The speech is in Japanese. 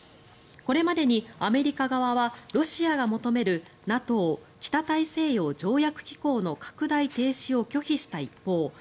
これまでにアメリカ側はロシアが求めるＮＡＴＯ・北大西洋条約機構の拡大停止を拒否した一方